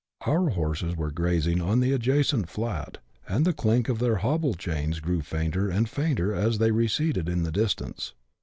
Our horses were grazing on an adjacent flat, and the clink of their " hobble " chains grew fainter and fainter as they receded in the distance.